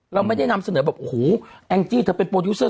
เราไม่ได้นำเสนอแบบโอ้โหแองจี้เธอเป็นโปรดิวเซอร์